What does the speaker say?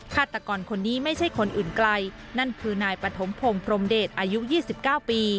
ฆาตกรคนนี้ไม่ใช่คนอื่นไกลนั่นคือนายปฐมพงศ์พรมเดชอายุ๒๙ปี